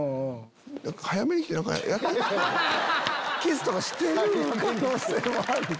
キスとかしてる可能性もあるね。